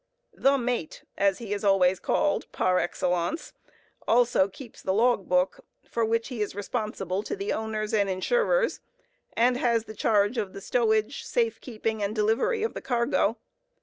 The mate (as he is always called, par excellence) also keeps the logbook, for which he is responsible to the owners and insurers, and has the charge of the stowage, safe keeping, and delivery of the cargo.